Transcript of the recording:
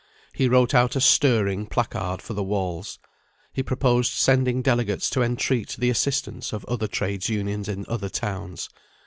He wrote out a stirring placard for the walls. He proposed sending delegates to entreat the assistance of other Trades' Unions in other towns.